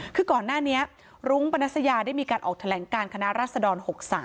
คือก่อนหน้านี้รุ้งปนัสยาได้มีการออกแถลงการคณะรัศดร๖๓